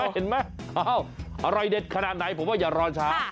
เห็นไหมอร่อยเด็ดขนาดไหนผมว่าอย่ารอช้า